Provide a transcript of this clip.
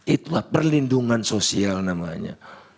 itulah perlindungan sosial namanya